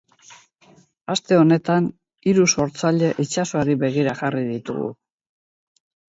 Aste honetan hiru sortzaile itsasoari begira jarri ditugu.